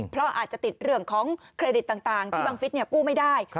เพราะอาจจะติดเรื่องของเครดิตต่างที่บังฟิศกู้ไม่ได้